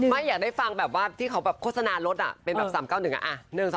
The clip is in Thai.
ไม่อยากได้ฟังแบบว่าที่เค้าโฆษณารถแบบ๓๙๑อะ